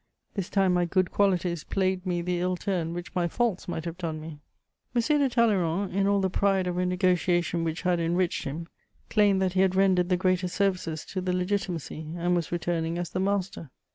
This time my "good qualities" played me the ill turn which my faults might have done me. [Sidenote: Talleyrand again.] M. de Talleyrand, in all the pride of a negociation which had enriched him, claimed that he had rendered the greatest services to the Legitimacy, and was returning as the master.